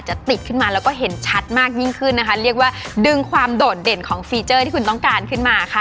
ติดขึ้นมาแล้วก็เห็นชัดมากยิ่งขึ้นนะคะเรียกว่าดึงความโดดเด่นของฟีเจอร์ที่คุณต้องการขึ้นมาค่ะ